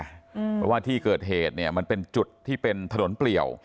เพราะว่าที่เกิดเหตุเนี่ยมันเป็นจุดที่เป็นถนนเปลี่ยว